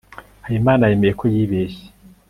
habimana yemeye ko yibeshye